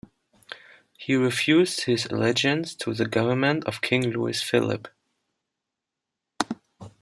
He refused his allegiance to the government of King Louis Philippe.